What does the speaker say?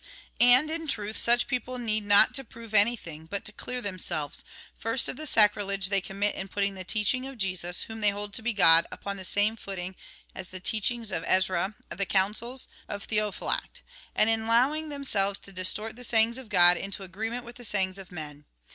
And, in truth, such people need not to prove anything, but to clear themselves, first, of the sac rilege they commit in putting the teaching of Jesus, whom they hold to be God, upon the same footing as the teachings of Ezra, of the Councils, of Theo phylact ; and in allowing themselves to distort the sayings of God into agreement with the sayings of men.